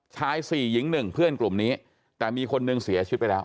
ชายสี่หญิงหนึ่งเพื่อนกลุ่มนี้แต่มีคนหนึ่งเสียชีวิตไปแล้ว